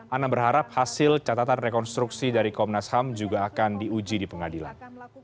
ana berharap hasil catatan rekonstruksi dari komnas ham juga akan diuji di pengadilan